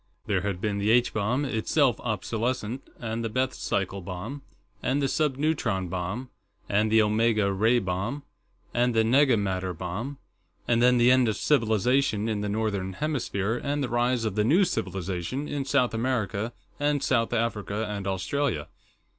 There had been the H bomb, itself obsolescent, and the Bethe cyle bomb, and the subneutron bomb, and the omega ray bomb, and the nega matter bomb, and then the end of civilization in the Northern Hemisphere and the rise of the new civilization in South America and South Africa and Australia.